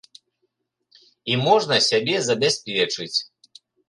І можна сябе забяспечыць.